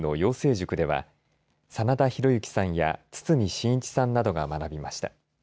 塾では真田広之さんや堤真一さんなどが学びました。